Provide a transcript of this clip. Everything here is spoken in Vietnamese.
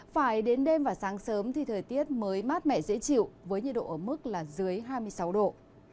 phải đến đêm và sáng sớm thì thời tiết mới mát mẻ dễ chịu với nhiệt độ ở mức là dưới hai mươi sáu độ